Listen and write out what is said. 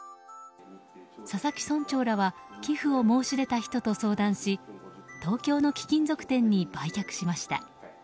佐々木村長らは寄付を申し出た人と相談し東京の貴金属店に売却しました。